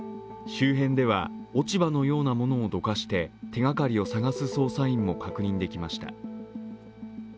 周辺では落ち葉のようなものをどかして、手がかりをさがす捜査員も確認できました。